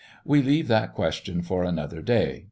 We leave that question for another day.